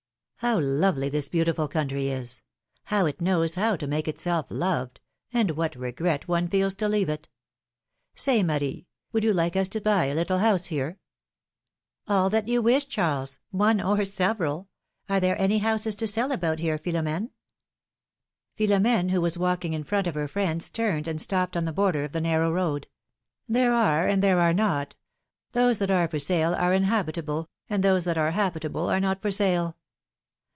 ^^ T r O W lovely this beautiful country is! How it J — L knows how to make itself loved, and what regret one feels to leave it ! Say, Marie, would you like us to buy a little house here? ^^All that you wish, Charles — one or several ! Are there any houses to sell about here, Philom^ne ? Philora^ne, who was walking in front of her friends, turned and stopped on the border of the narrow road. There are, and there are not ; those that are for sale are uninhabitable, and those that are habitable are not for sale.